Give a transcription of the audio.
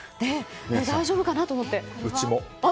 大丈夫かな？と思って。